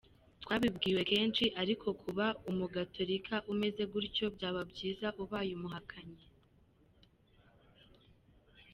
Twabibwiwe kenshi ariko kuba umugatolika umeze gutyo byaba byiza ubaye umuhakanyi.